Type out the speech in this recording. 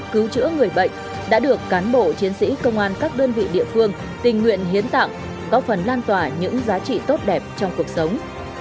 cứu chữa người bệnh đã được cán bộ chiến sĩ công an các đơn vị địa phương tình nguyện hiến tặng góp phần lan tỏa những giá trị tốt đẹp trong cuộc sống